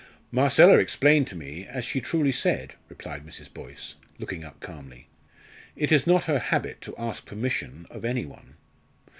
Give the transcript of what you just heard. "Marcella explained to me, as she truly said," replied Mrs. Boyce, looking up calmly. "It is not her habit to ask permission of any one."